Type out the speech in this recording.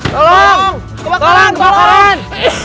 tolong kebakaran kebakaran